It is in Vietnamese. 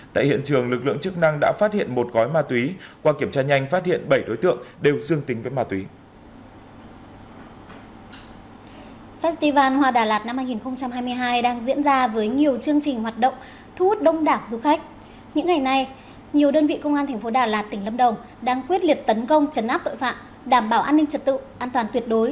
tại hiện trường lực lượng chức năng đã phát hiện một gói ma túy qua kiểm tra nhanh phát hiện bảy đối tượng đều dương tính với ma túy